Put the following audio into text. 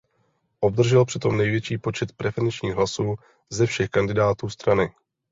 Obdržel přitom největší počet preferenčních hlasů ze všech kandidátů strany.